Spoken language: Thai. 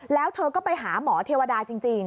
แล้วเธอก็ไปหาหมอเทวดาจริง